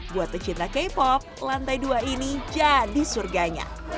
buat pecinta k pop lantai dua ini jadi surganya